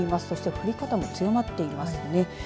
そして降り方も強まっていますね。